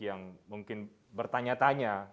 yang mungkin bertanya tanya